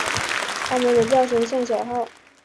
它们的叫声像小号。